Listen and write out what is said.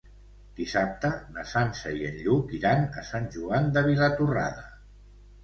Dissabte na Sança i en Lluc iran a Sant Joan de Vilatorrada.